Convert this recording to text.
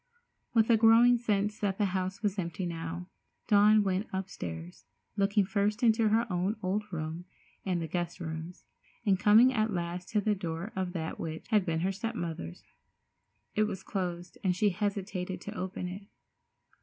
With a growing sense that the house was empty now, Dawn went upstairs, looking first into her own old room and the guest rooms, and coming at last to the door of that which had been her step mother's. It was closed, and she hesitated to open it.